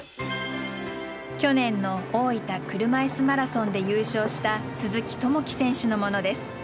去年の大分車いすマラソンで優勝した鈴木朋樹選手のものです。